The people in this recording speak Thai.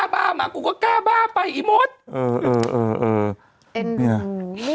เป็นการกระตุ้นการไหลเวียนของเลือด